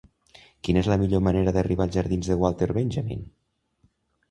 Quina és la millor manera d'arribar als jardins de Walter Benjamin?